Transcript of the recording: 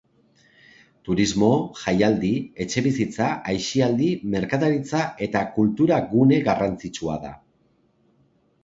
Turismo, jaialdi, etxebizitza, aisialdi, merkataritza eta kultura gune garrantzitsua da.